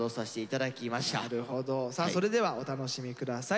さあそれではお楽しみください。